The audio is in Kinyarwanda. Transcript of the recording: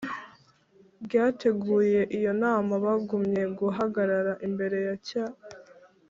ryateguye iyo nama bagumye guhagarara imbere ya cya